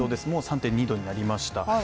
もう３．２度になりました。